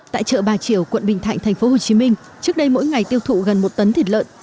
tại chợ bà triều quận bình thạnh tp hcm trước đây mỗi ngày tiêu thụ gần một tấn thịt lợn